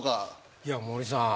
いや森さん。